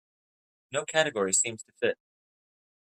No category seems to fit.